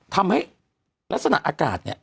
ทำให้ลักษณะอากาศเนี่ย